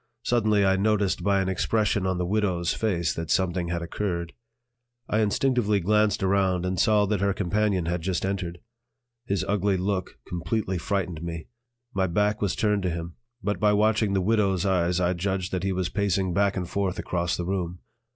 Suddenly I noticed by an expression on the "widow's" face that something had occurred. I instinctively glanced around and saw that her companion had just entered. His ugly look completely frightened me. My back was turned to him, but by watching the "widow's" eyes I judged that he was pacing back and forth across the room.